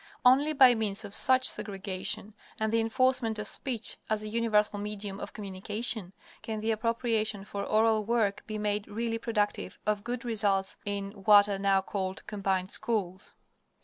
Only by means of such segregation, and the enforcement of speech as a universal medium of communication, can the appropriations for oral work be made really productive of good results in what are now called "Combined Schools."